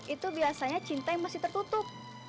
itu biasanya cinta yang masih tertutup